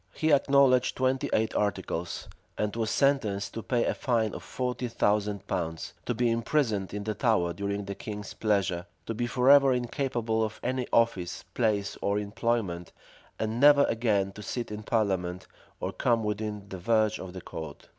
He acknowledged twenty eight articles; and was sentenced to pay a fine of forty thousand pounds, to be imprisoned in the Tower during the king's pleasure, to be forever incapable of any office, place, or employment, and never again to sit in parliament, or come within the verge of the court.